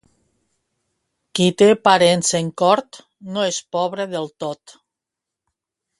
Qui té parents en cort no és pobre del tot.